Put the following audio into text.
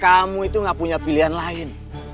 kamu itu gak punya pilihan lain